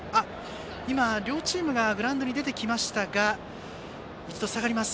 今、両チームがグラウンドに出てきましたが一度、下がります。